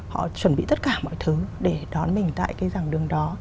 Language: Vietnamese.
họ chuẩn bị tất cả mọi thứ để đón mình tại cái giảng đường đó